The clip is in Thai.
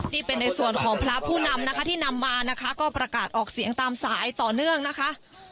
นี่เป็นในส่วนของพระผู้นำนะคะที่นำมานะคะก็ประกาศออกเสียงตามสายต่อเนื่องนะคะ